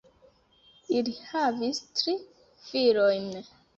Ili havis tri filojn.